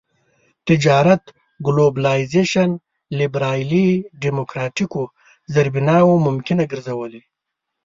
تجارت ګلوبلایزېشن لېبرالي ډيموکراټيکو زېربناوو ممکنه ګرځولي.